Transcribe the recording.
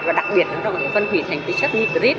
và đặc biệt nó có thể phân hủy thành những chất nitrit